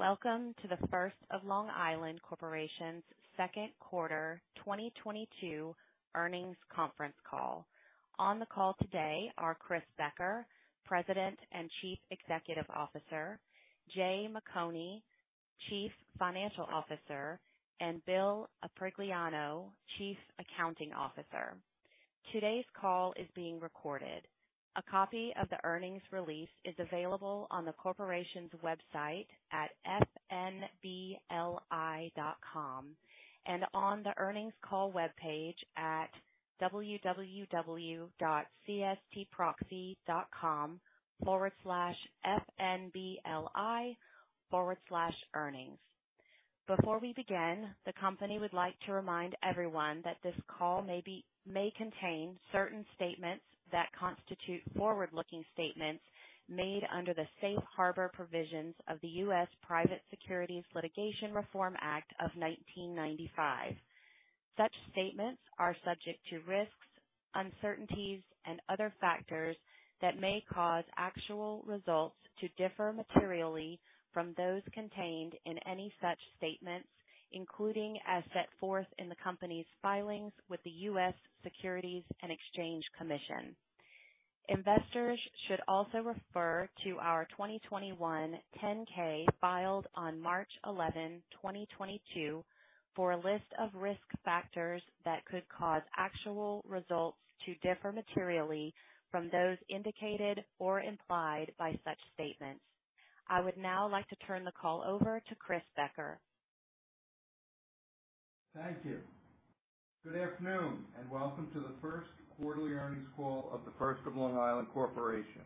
Welcome to The First of Long Island Corporation's second quarter 2022 earnings conference call. On the call today are Chris Becker, President and Chief Executive Officer, Jay McConie, Chief Financial Officer, and Bill Aprigliano, Chief Accounting Officer. Today's call is being recorded. A copy of the earnings release is available on the corporation's website at fnbli.com and on the earnings call webpage at www.cstproxy.com/fnbli/earnings. Before we begin, the company would like to remind everyone that this call may contain certain statements that constitute forward-looking statements made under the safe harbor provisions of the U.S. Private Securities Litigation Reform Act of 1995. Such statements are subject to risks, uncertainties, and other factors that may cause actual results to differ materially from those contained in any such statements, including as set forth in the company's filings with the U.S. Securities and Exchange Commission. Investors should also refer to our 2021 10-K filed on March 11, 2022, for a list of risk factors that could cause actual results to differ materially from those indicated or implied by such statements. I would now like to turn the call over to Chris Becker. Thank you. Good afternoon, and welcome to the first quarterly earnings call of The First of Long Island Corporation.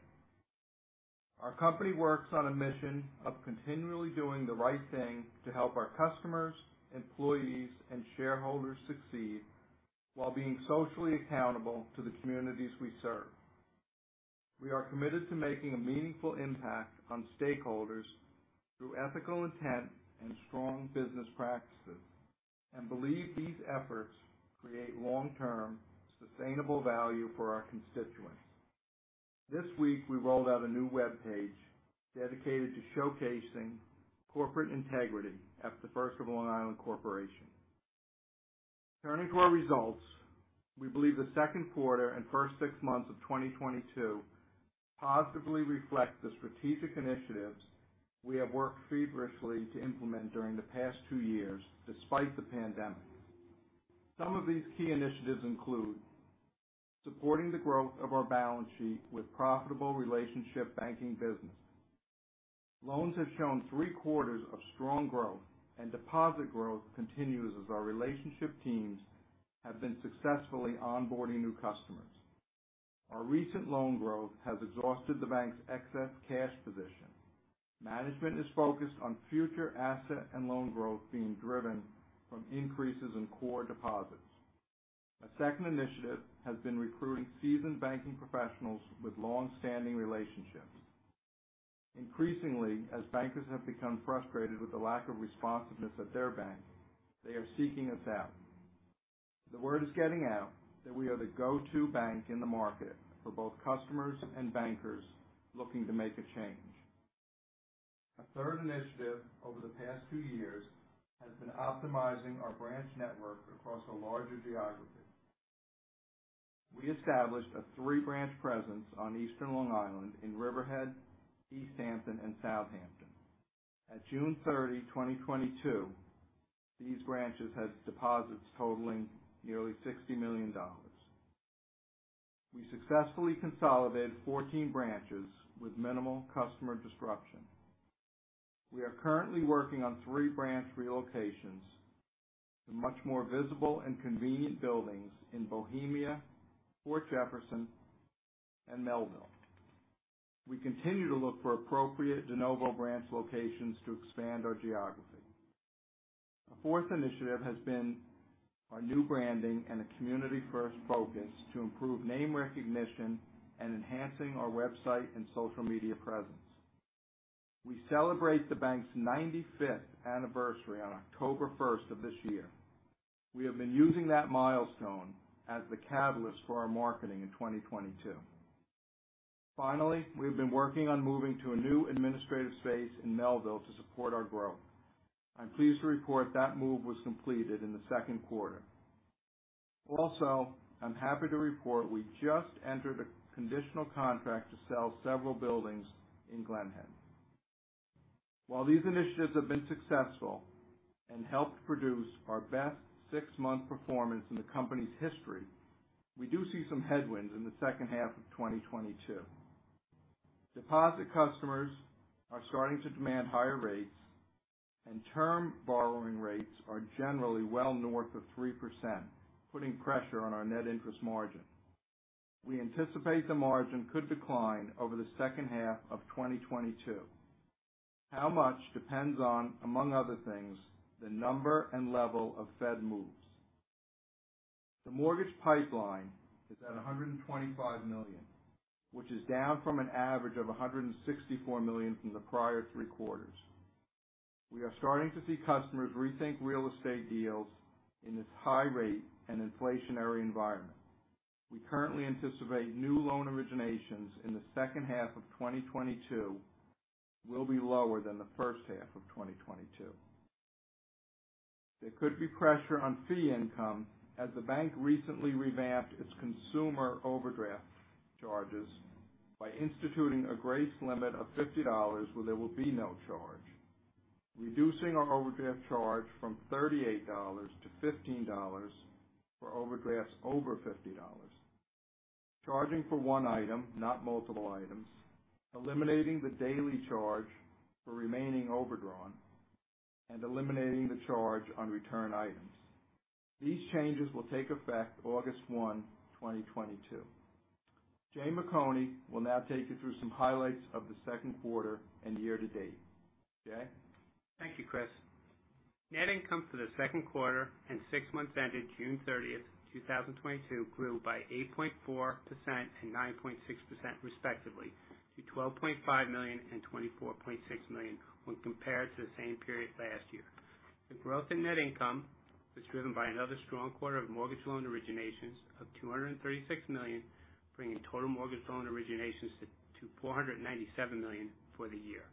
Our company works on a mission of continually doing the right thing to help our customers, employees, and shareholders succeed while being socially accountable to the communities we serve. We are committed to making a meaningful impact on stakeholders through ethical intent and strong business practices, and believe these efforts create long-term sustainable value for our constituents. This week, we rolled out a new webpage dedicated to showcasing corporate integrity at The First of Long Island Corporation. Turning to our results, we believe the second quarter and first 6 months of 2022 positively reflect the strategic initiatives we have worked feverishly to implement during the past 2 years, despite the pandemic. Some of these key initiatives include supporting the growth of our balance sheet with profitable relationship banking business. Loans have shown three quarters of strong growth, and deposit growth continues as our relationship teams have been successfully onboarding new customers. Our recent loan growth has exhausted the bank's excess cash position. Management is focused on future asset and loan growth being driven from increases in core deposits. A second initiative has been recruiting seasoned banking professionals with long-standing relationships. Increasingly, as bankers have become frustrated with the lack of responsiveness at their bank, they are seeking us out. The word is getting out that we are the go-to bank in the market for both customers and bankers looking to make a change. A third initiative over the past two years has been optimizing our branch network across a larger geography. We established a three-branch presence on Eastern Long Island in Riverhead, East Hampton, and Southampton. At June 30, 2022, these branches had deposits totaling nearly $60 million. We successfully consolidated 14 branches with minimal customer disruption. We are currently working on 3 branch relocations to much more visible and convenient buildings in Bohemia, Port Jefferson, and Melville. We continue to look for appropriate de novo branch locations to expand our geography. A fourth initiative has been our new branding and a community-first focus to improve name recognition and enhancing our website and social media presence. We celebrate the bank's 95th anniversary on October 1 of this year. We have been using that milestone as the catalyst for our marketing in 2022. Finally, we have been working on moving to a new administrative space in Melville to support our growth. I'm pleased to report that move was completed in the second quarter. Also, I'm happy to report we just entered a conditional contract to sell several buildings in Glen Head. While these initiatives have been successful and helped produce our best six-month performance in the company's history, we do see some headwinds in the second half of 2022. Deposit customers are starting to demand higher rates, and term borrowing rates are generally well north of 3%, putting pressure on our net interest margin. We anticipate the margin could decline over the second half of 2022. How much depends on, among other things, the number and level of Fed moves. The mortgage pipeline is at $125 million, which is down from an average of $164 million from the prior three quarters. We are starting to see customers rethink real estate deals in this high rate and inflationary environment. We currently anticipate new loan originations in the second half of 2022 will be lower than the first half of 2022. There could be pressure on fee income as the bank recently revamped its consumer overdraft charges by instituting a grace limit of $50 where there will be no charge. Reducing our overdraft charge from $38 to $15 for overdrafts over $50. Charging for one item, not multiple items. Eliminating the daily charge for remaining overdrawn, and eliminating the charge on return items. These changes will take effect August 1, 2022. Jay McConie will now take you through some highlights of the second quarter and year to date. Jay? Thank you, Chris. Net income for the second quarter and six months ended June 30, 2022 grew by 8.4% and 9.6% respectively to $12.5 million and $24.6 million when compared to the same period last year. The growth in net income was driven by another strong quarter of mortgage loan originations of $236 million, bringing total mortgage loan originations to $497 million for the year.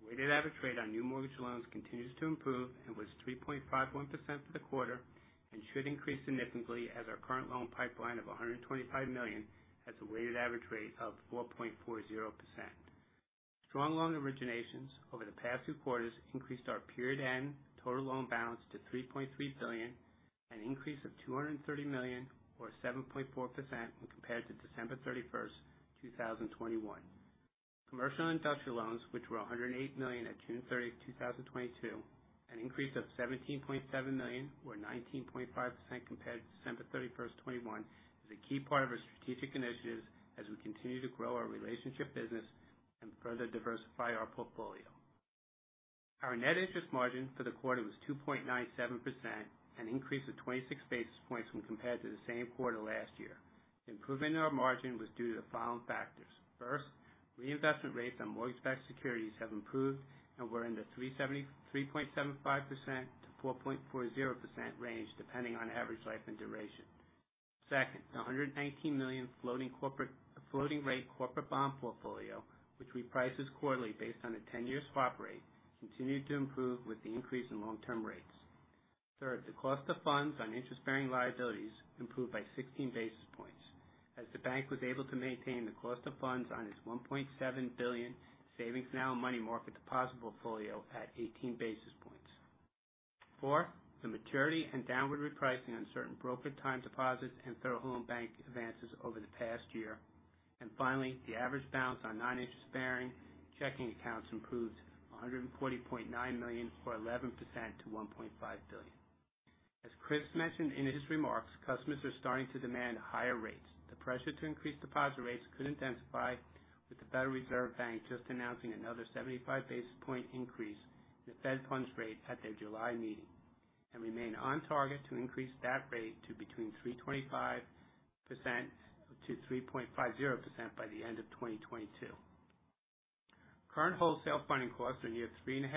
Weighted average rate on new mortgage loans continues to improve and was 3.51% for the quarter, and should increase significantly as our current loan pipeline of $125 million has a weighted average rate of 4.40%. Strong loan originations over the past two quarters increased our period end total loan balance to $3.3 billion, an increase of $230 million or 7.4% when compared to December 31, 2021. Commercial and industrial loans, which were $108 million at June 30, 2022, an increase of $17.7 million or 19.5% compared to December 31, 2021, is a key part of our strategic initiatives as we continue to grow our relationship business and further diversify our portfolio. Our net interest margin for the quarter was 2.97%, an increase of 26 basis points when compared to the same quarter last year. Improvement in our margin was due to the following factors. First, reinvestment rates on mortgage-backed securities have improved and were in the 3.75%-4.40% range, depending on average life and duration. Second, the $119 million floating rate corporate bond portfolio, which reprices quarterly based on a 10-year swap rate, continued to improve with the increase in long-term rates. Third, the cost of funds on interest-bearing liabilities improved by 16 basis points as the bank was able to maintain the cost of funds on its $1.7 billion savings and money market deposit portfolio at 18 basis points. Four, the maturity and downward repricing on certain brokered time deposits and Federal Home Loan Bank advances over the past year. Finally, the average balance on non-interest-bearing checking accounts improved $140.9 million or 11% to $1.5 billion. As Chris mentioned in his remarks, customers are starting to demand higher rates. The pressure to increase deposit rates could intensify with the Federal Reserve Bank just announcing another 75 basis point increase in the Fed funds rate at their July meeting, and remain on target to increase that rate to between 3.25%-3.50% by the end of 2022. Current wholesale funding costs are near 3.5%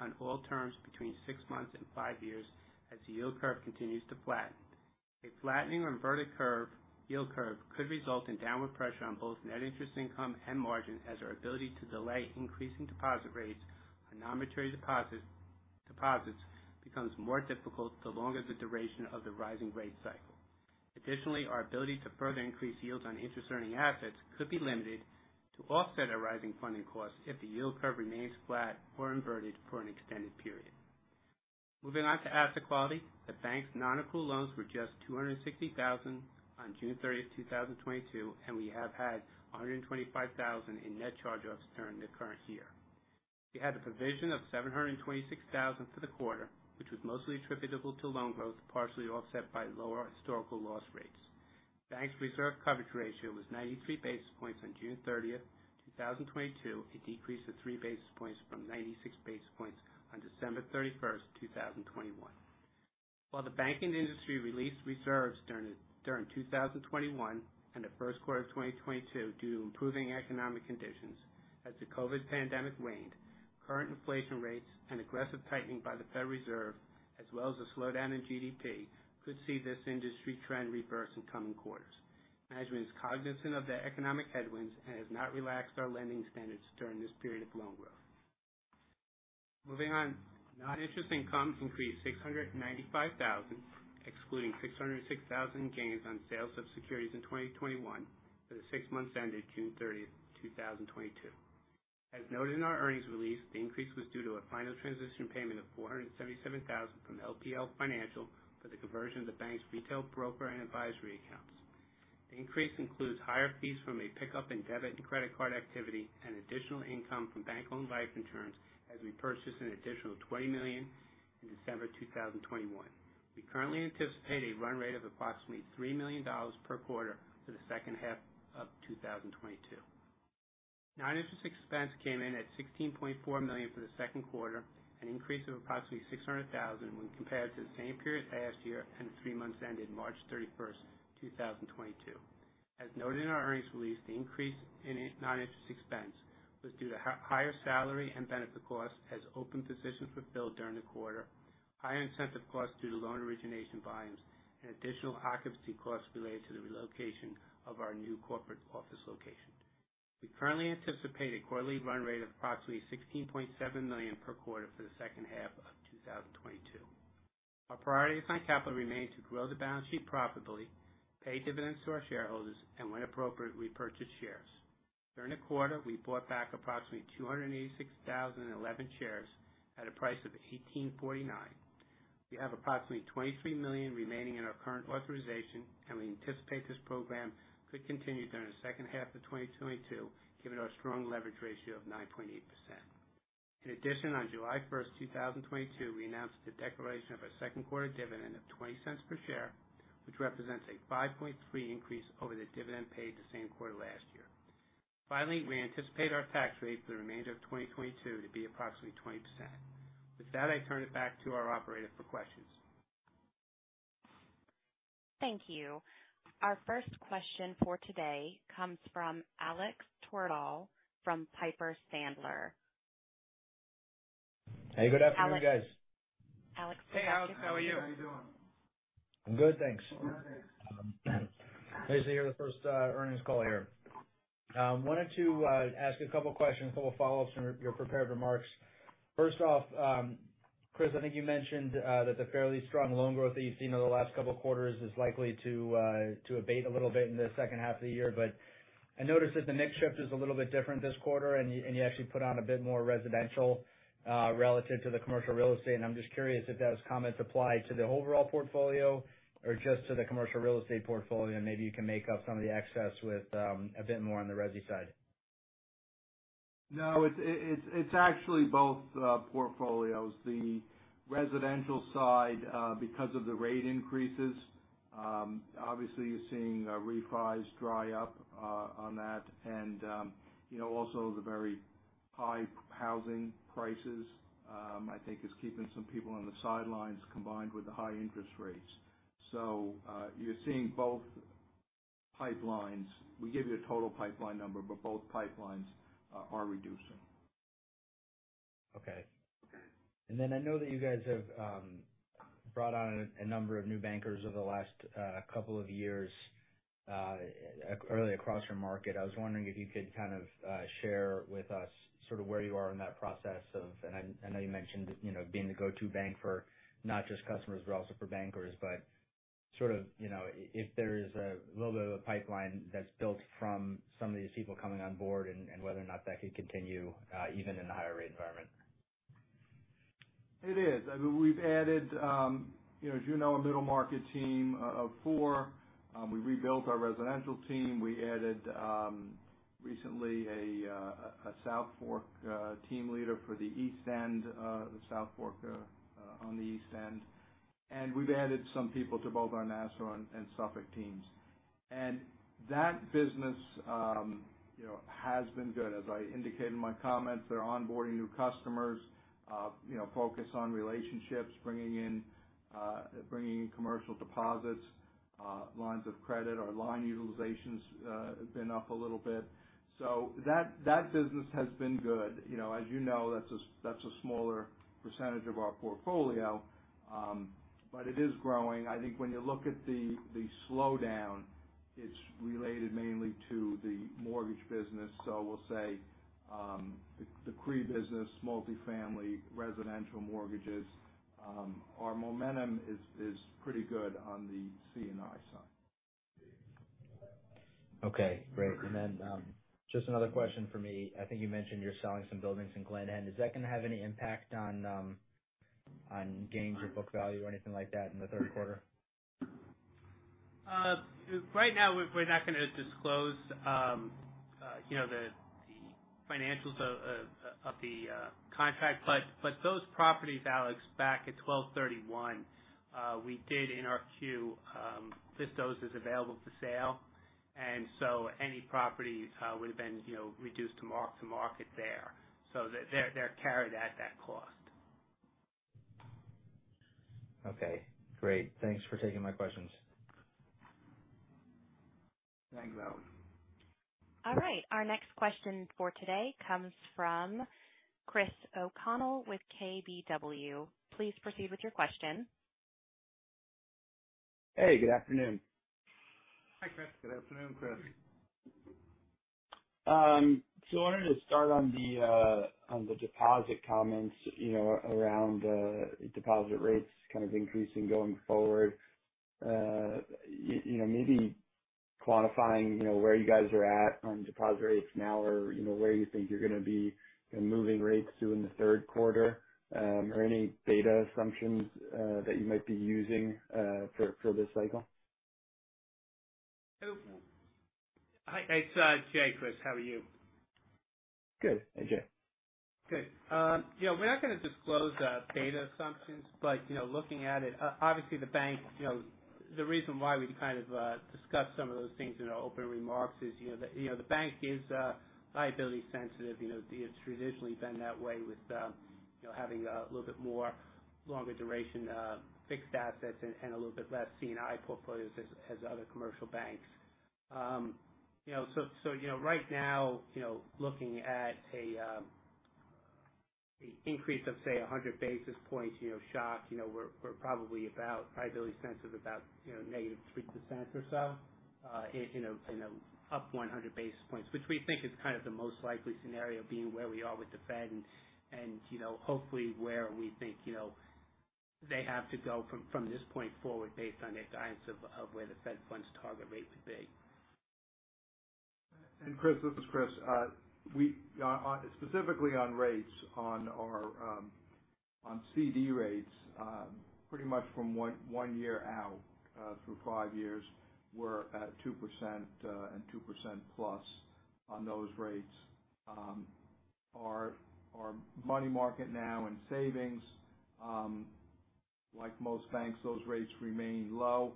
on all terms between 6 months and 5 years as the yield curve continues to flatten. A flattening or inverted curve, yield curve could result in downward pressure on both net interest income and margin as our ability to delay increasing deposit rates on non-maturity deposits becomes more difficult the longer the duration of the rising rate cycle. Our ability to further increase yields on interest-earning assets could be limited to offset our rising funding costs if the yield curve remains flat or inverted for an extended period. Moving on to asset quality. The bank's non-accrual loans were just $260,000 on June 30, 2022, and we have had $125,000 in net charge-offs during the current year. We had a provision of $726,000 for the quarter, which was mostly attributable to loan growth, partially offset by lower historical loss rates. Bank's reserve coverage ratio was 93 basis points on June 30, 2022, a decrease of 3 basis points from 96 basis points on December 31, 2021. While the banking industry released reserves during 2021 and the first quarter of 2022 due to improving economic conditions, as the COVID pandemic waned, current inflation rates and aggressive tightening by the Federal Reserve, as well as a slowdown in GDP, could see this industry trend reverse in coming quarters. Management is cognizant of the economic headwinds and has not relaxed our lending standards during this period of loan growth. Moving on. Non-interest income increased $695,000, excluding $606,000 gains on sales of securities in 2021 for the six months ended June 30, 2022. As noted in our earnings release, the increase was due to a final transition payment of $477,000 from LPL Financial for the conversion of the bank's retail broker and advisory accounts. The increase includes higher fees from a pickup in debit and credit card activity and additional income from bank-owned life insurance as we purchased an additional $20 million in December 2021. We currently anticipate a run rate of approximately $3 million per quarter for the second half of 2022. Non-interest expense came in at $16.4 million for the second quarter, an increase of approximately $600,000 when compared to the same period last year and the three months ended March 31, 2022. As noted in our earnings release, the increase in non-interest expense. Was due to higher salary and benefit costs as open positions were filled during the quarter, higher incentive costs due to loan origination volumes, and additional occupancy costs related to the relocation of our new corporate office location. We currently anticipate a quarterly run rate of approximately $16.7 million per quarter for the second half of 2022. Our priority at The First of Long Island Corporation remains to grow the balance sheet profitably, pay dividends to our shareholders, and when appropriate, repurchase shares. During the quarter, we bought back approximately 286,011 shares at a price of $18.49. We have approximately $23 million remaining in our current authorization, and we anticipate this program could continue during the second half of 2022, given our strong leverage ratio of 9.8%. In addition, on July 1, 2022, we announced the declaration of our second quarter dividend of $0.20 per share, which represents a 5.3% increase over the dividend paid the same quarter last year. Finally, we anticipate our tax rate for the remainder of 2022 to be approximately 20%. With that, I turn it back to our operator for questions. Thank you. Our first question for today comes from Alex Twerdahl from Piper Sandler. Hey, good afternoon, guys. Alex. Hey, Alex. How are you? Hey, how you doing? I'm good, thanks. All right, thanks. Pleased to hear the first earnings call here. Wanted to ask a couple questions, couple follow-ups from your prepared remarks. First off, Chris, I think you mentioned that the fairly strong loan growth that you've seen over the last couple of quarters is likely to abate a little bit in the second half of the year. I noticed that the mix shift is a little bit different this quarter, and you actually put on a bit more residential relative to the commercial real estate. I'm just curious if those comments apply to the overall portfolio or just to the commercial real estate portfolio, and maybe you can make up some of the excess with a bit more on the resi side. No, it's actually both portfolios. The residential side, because of the rate increases, obviously you're seeing refis dry up on that. You know, also the very high housing prices, I think is keeping some people on the sidelines combined with the high interest rates. You're seeing both pipelines. We give you a total pipeline number, but both pipelines are reducing. Okay. Then I know that you guys have brought on a number of new bankers over the last couple of years, early across your market. I was wondering if you could kind of share with us sort of where you are in that process. I know you mentioned, you know, being the go-to bank for not just customers, but also for bankers. Sort of, you know, if there is a little bit of a pipeline that's built from some of these people coming on board and whether or not that could continue even in the higher rate environment. It is. I mean, we've added, you know, as you know, a middle market team of four. We rebuilt our residential team. We added recently a South Fork team leader for the East End, the South Fork on the East End. We've added some people to both our Nassau and Suffolk teams. That business, you know, has been good. As I indicated in my comments, they're onboarding new customers, you know, focused on relationships, bringing in commercial deposits, lines of credit. Our line utilizations have been up a little bit. So that business has been good. You know, as you know, that's a smaller percentage of our portfolio, but it is growing. I think when you look at the slowdown, it's related mainly to the mortgage business. We'll say the CRE business, multifamily, residential mortgages. Our momentum is pretty good on the C&I side. Okay, great. Just another question from me. I think you mentioned you're selling some buildings in Glen Head. Is that gonna have any impact on gains or book value or anything like that in the third quarter? Right now we're not gonna disclose, you know, the financials of the contract. Those properties, Alex, back at 12/31, we did in our Q list those as available for sale. Any properties would have been, you know, reduced to marked to market there. They're carried at that cost. Okay, great. Thanks for taking my questions. Thanks, Alex. All right. Our next question for today comes from Christopher O'Connell with KBW. Please proceed with your question. Hey, good afternoon. Hi, Chris. Good afternoon, Chris. I wanted to start on the deposit comments, you know, around deposit rates kind of increasing going forward. You know, maybe quantifying, you know, where you guys are at on deposit rates now or, you know, where you think you're gonna be in moving rates to in the third quarter, or any data assumptions that you might be using for this cycle. Hi, it's Jay, Chris. How are you? Good. Hey, Jay. Good. You know, we're not gonna disclose data assumptions, but you know, looking at it, obviously the bank, you know. The reason why we kind of discussed some of those things in our opening remarks is, you know, the bank is liability sensitive. You know, it's traditionally been that way with, you know, having a little bit more longer duration fixed assets and a little bit less C&I portfolios as other commercial banks. You know, so you know, right now, you know, looking at a. The increase of, say, 100 basis points, you know, shock, you know, we're probably sensitive about, you know, negative 3% or so. You know, up 100 basis points, which we think is kind of the most likely scenario being where we are with the Fed and, you know, hopefully where we think, you know, they have to go from this point forward based on their guidance of where the Fed funds target rate would be. Chris, this is Chris. Specifically on rates on our CD rates, pretty much from one year out through five years, we're at 2%, and 2% plus on those rates. Our money market now and savings, like most banks, those rates remain low.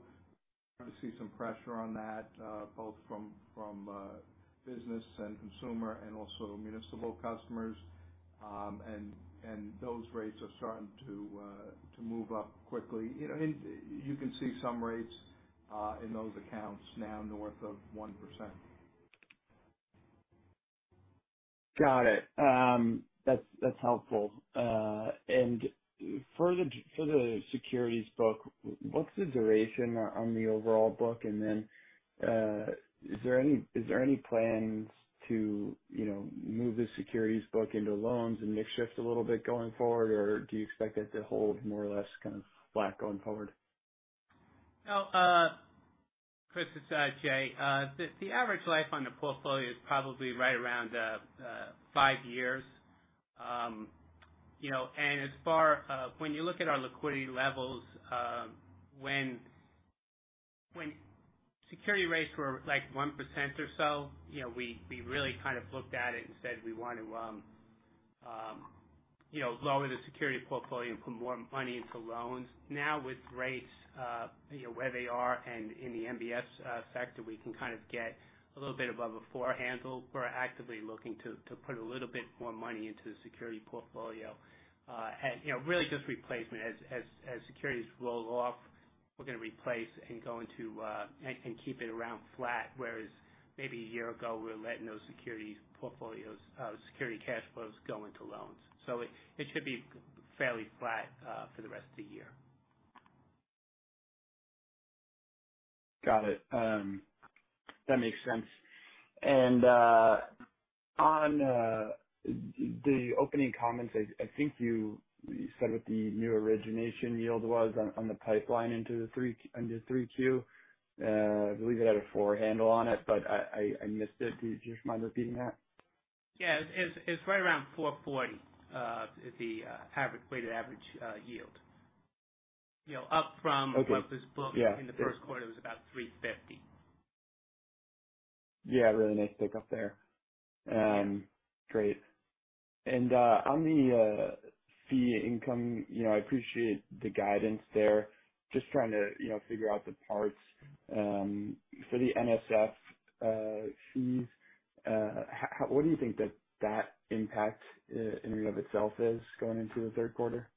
We're gonna see some pressure on that, both from business and consumer and also municipal customers. Those rates are starting to move up quickly. You know, you can see some rates in those accounts now north of 1%. Got it. That's helpful. For the securities book, what's the duration on the overall book? Is there any plans to, you know, move the securities book into loans and mix shift a little bit going forward? Do you expect that to hold more or less kind of flat going forward? No, Chris, it's Jay. The average life on the portfolio is probably right around 5 years. You know, as far as when you look at our liquidity levels, when securities rates were like 1% or so, you know, we really kind of looked at it and said, we want to you know, lower the securities portfolio and put more money into loans. Now with rates, you know, where they are and in the MBS sector, we can kind of get a little bit above a 4 handle. We're actively looking to put a little bit more money into the securities portfolio. You know, really just replacement. As securities roll off, we're gonna replace and go into and keep it around flat. Whereas maybe a year ago, we were letting those securities portfolios, security cash flows go into loans. It should be fairly flat for the rest of the year. Got it. That makes sense. On the opening comments, I think you said what the new origination yield was on the pipeline into 3Q. I believe it had a four handle on it, but I missed it. Do you mind just repeating that? Yeah. It's right around 4.40%, the weighted average yield. You know, up from- Okay. Yeah. In the first quarter, it was about $350. Yeah, really nice pick up there. Great. On the fee income, you know, I appreciate the guidance there. Just trying to, you know, figure out the parts. For the NSF fees, what do you think that impact in and of itself is going into the third quarter?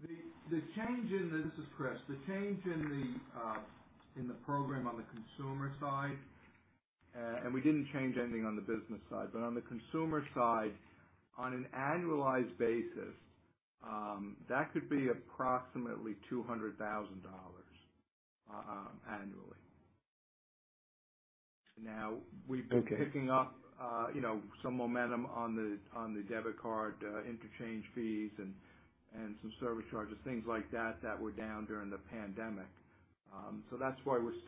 This is Chris. The change in the program on the consumer side, and we didn't change anything on the business side. On the consumer side, on an annualized basis, that could be approximately $200,000 annually. Now we've Okay. Been picking up, you know, some momentum on the debit card interchange fees and some service charges, things like that were down during the pandemic. That's why we're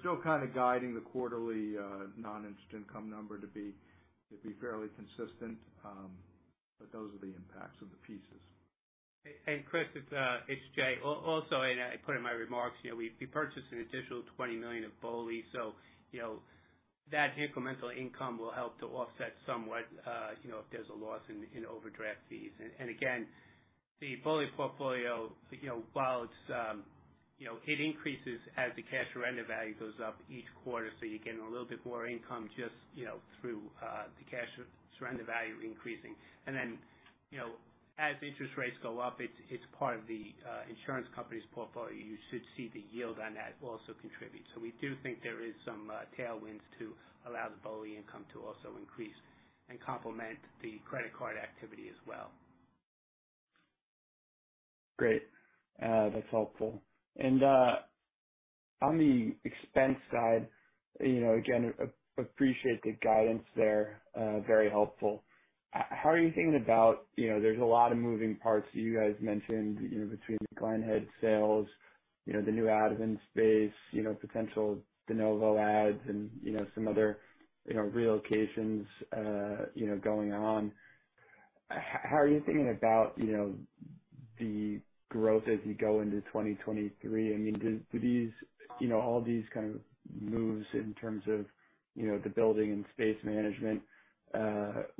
still kind of guiding the quarterly non-interest income number to be fairly consistent. Those are the impacts of the pieces. Chris, it's Jay. Also, and I put in my remarks, you know, we purchased an additional $20 million of BOLI. You know, that incremental income will help to offset somewhat, you know, if there's a loss in overdraft fees. Again, the BOLI portfolio, you know, while it's, you know, it increases as the cash surrender value goes up each quarter, so you're getting a little bit more income just, you know, through the cash surrender value increasing. Then, you know, as interest rates go up, it's part of the insurance company's portfolio. You should see the yield on that also contribute. We do think there is some tailwinds to allow the BOLI income to also increase and complement the credit card activity as well. Great. That's helpful. On the expense side, you know, again, appreciate the guidance there. Very helpful. How are you thinking about, you know, there's a lot of moving parts you guys mentioned, you know, between the Glenhead sales, you know, the new admin space, you know, potential de novo adds and, you know, some other, you know, relocations, you know, going on. How are you thinking about, you know, the growth as you go into 2023? I mean, do these, you know, all these kind of moves in terms of, you know, the building and space management,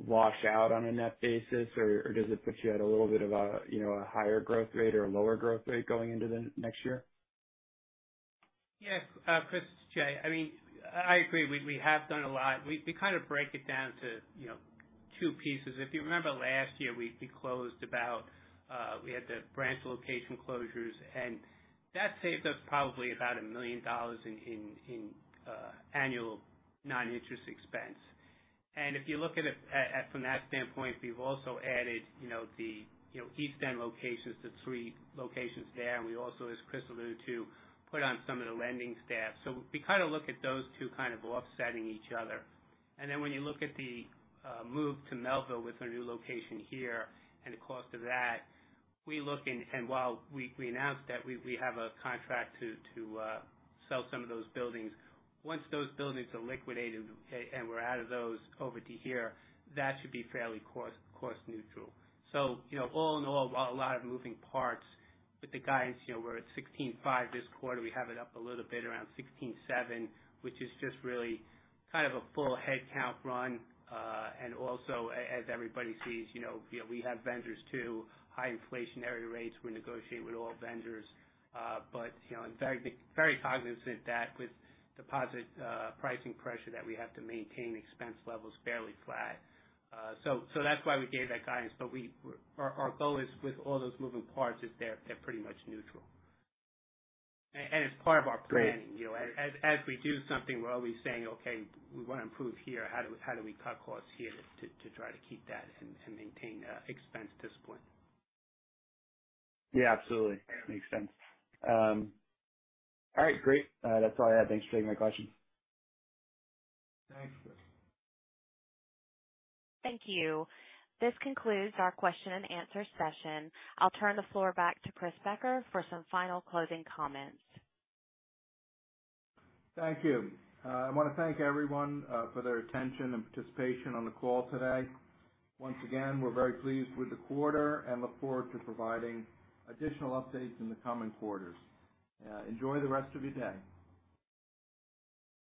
wash out on a net basis, or does it put you at a little bit of a, you know, a higher growth rate or a lower growth rate going into the next year? Yeah. Chris, it's Jay. I mean, I agree. We have done a lot. We kind of break it down to, you know, two pieces. If you remember last year, we had the branch location closures, and that saved us probably about $1 million in annual non-interest expense. If you look at it from that standpoint, we've also added, you know, the East End locations, the three locations there. We also, as Chris alluded to, put on some of the lending staff. We kind of look at those two kind of offsetting each other. Then when you look at the move to Melville with our new location here and the cost of that, we look and while we announced that we have a contract to sell some of those buildings. Once those buildings are liquidated and we're out of those over to here, that should be fairly cost neutral. You know, all in all, a lot of moving parts with the guidance. You know, we're at $16.5 this quarter. We have it up a little bit around $16.7, which is just really kind of a full headcount run. And also as everybody sees, you know, we have vendors too, high inflationary rates. We negotiate with all vendors, but you know, I'm very cognizant that with deposit pricing pressure, that we have to maintain expense levels fairly flat. That's why we gave that guidance. Our goal with all those moving parts is they're pretty much neutral. It's part of our planning. Great. You know, as we do something, we're always saying, "Okay, we wanna improve here. How do we cut costs here to try to keep that and maintain expense discipline? Yeah, absolutely. Makes sense. All right, great. That's all I had. Thanks for taking my question. Thanks. Thank you. This concludes our question and answer session. I'll turn the floor back to Chris Becker for some final closing comments. Thank you. I wanna thank everyone for their attention and participation on the call today. Once again, we're very pleased with the quarter and look forward to providing additional updates in the coming quarters. Enjoy the rest of your day.